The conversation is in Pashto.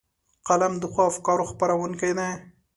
قلم د ښو افکارو خپرونکی دی